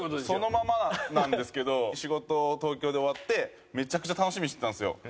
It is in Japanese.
そのままなんですけど仕事東京で終わってめっちゃくちゃ楽しみにしてたんですよ